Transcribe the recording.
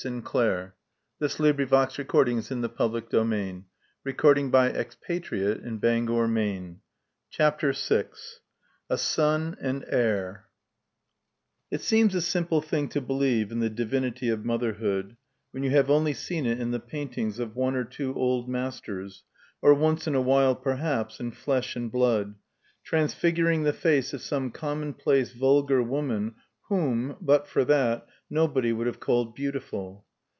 "It's all right all per perfectly right," stammered the optimist. "Wake him up, please, and tell him he has got a son." CHAPTER VI A SON AND HEIR It seems a simple thing to believe in the divinity of motherhood, when you have only seen it in the paintings of one or two old masters, or once in a while perhaps in flesh and blood, transfiguring the face of some commonplace vulgar woman whom, but for that, nobody would have called beautiful.